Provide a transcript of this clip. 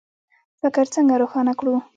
فکر څنګه روښانه کړو؟